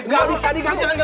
gak bisa diganggu